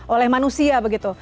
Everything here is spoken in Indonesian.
oleh manusia begitu